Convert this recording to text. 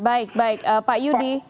baik baik pak yudi